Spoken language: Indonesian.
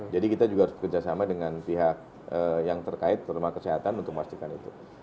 jadi kita juga harus bekerjasama dengan pihak yang terkait terutama kesehatan untuk memastikan itu